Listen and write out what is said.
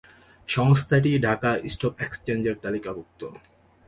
সংস্থাটি ঢাকা স্টক এক্সচেঞ্জের তালিকাভুক্ত।